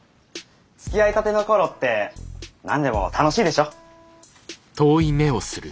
つきあいたての頃って何でも楽しいでしょ？